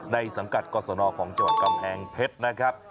สังกัดกรสนของจังหวัดกำแพงเพชรนะครับ